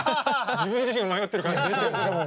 自分自身迷ってる感じ。